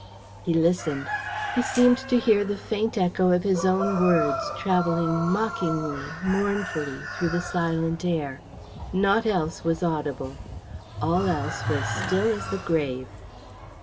He listened. He seemed to hear the faint echo of his own words travelling mockingly, mournfully, through the silent air. Naught else was audible. All else was still as the grave.